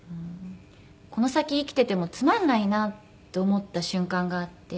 この先生きていてもつまんないなと思った瞬間があって。